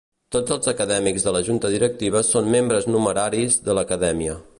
Tots els acadèmics de la Junta Directiva són membres numeraris de l'Acadèmia.